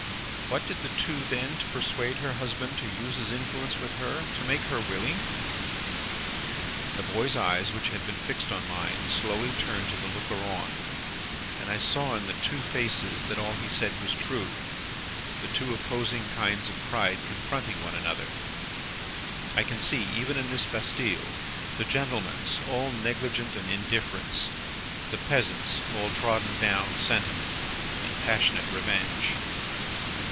What did the two then, to persuade her husband to use his influence with her, to make her willing?' "The boy's eyes, which had been fixed on mine, slowly turned to the looker on, and I saw in the two faces that all he said was true. The two opposing kinds of pride confronting one another, I can see, even in this Bastille; the gentleman's, all negligent indifference; the peasant's, all trodden down sentiment, and passionate revenge.